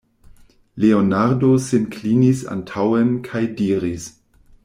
Leonardo sin klinis antaŭen kaj diris: